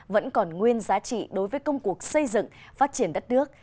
vẫn còn nguyên giá trị đối với công cuộc xây dựng phát triển đất nước